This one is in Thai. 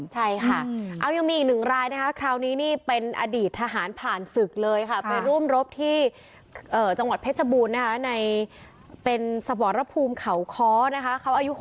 จากกรมจากกรมจากกรมจากกรมจากกรมจากกรมจากกรมจากกรมจากกรม